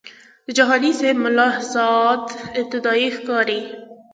د جهانی سیب ملاحظات ابتدایي ښکاري.